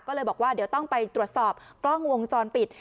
ก็เลยบอกว่าเดี๋ยวต้องไปตรวจสอบกล้องวงจรปิด